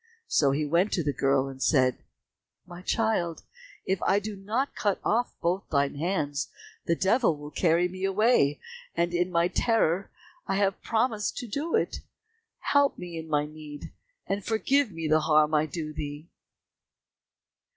So he went to the girl and said, "My child, if I do not cut off both thine hands, the devil will carry me away, and in my terror I have promised to do it. Help me in my need, and forgive me the harm I do thee."